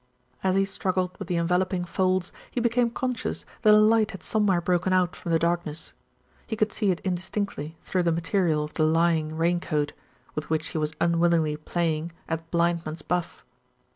As he struggled with the enveloping folds, he be came conscious that a light had somewhere broken out from the darkness. He could see it indistinctly through the material of the lying rain coat, with which he was unwillingly playing at blind man's buff.